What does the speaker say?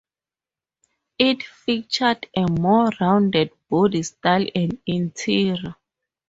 It featured a more rounded body style and interior.